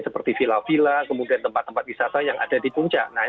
seperti villa villa kemudian tempat tempat wisata yang ada di puncak